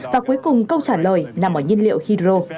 và cuối cùng câu trả lời nằm ở nhiên liệu hydro